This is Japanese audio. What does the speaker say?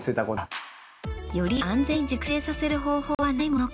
より安全に熟成させる方法はないものか。